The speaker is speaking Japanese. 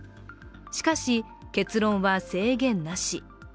しかし、結論は制限なし。